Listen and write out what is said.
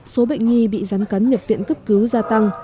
số bệnh nhi bị rắn cắn nhập viện cấp cứu gia tăng